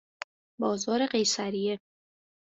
بازار قیصریه